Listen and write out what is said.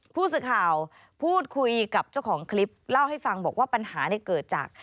ผู้สื่อข่าวพูดคุยกับเจ้าของคลิปเล่าให้ฟังบอกว่าปัญหาเนี่ยเกิดจาก